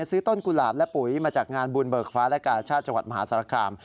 ซื้อต้นกุหลาบและปุ๋ยมาจากงานบุญเบิกฟ้าและกาชาติจังหวัดมหาสารคาม